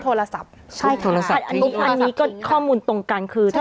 โทรศัพท์ใช่ค่ะอันนี้ก็ข้อมูลตรงกันคือใช่ค่ะ